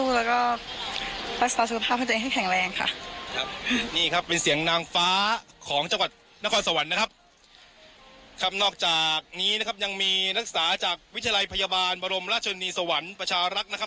ครับนี่ครับเป็นเสียงนางฟ้าของจังหวัดนครสวรรค์นะครับครับนอกจากนี้นะครับยังมีนักศึกษาจากวิทยาลัยพยาบาลบรมราชนีสวรรค์ประชารักษ์นะครับ